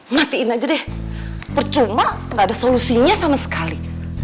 matiin aja deh percuma gak ada solusinya sama sekali